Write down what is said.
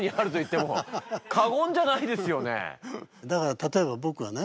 だから例えば僕がね